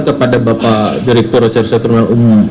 kepada bapak direktur reserse kriminal umum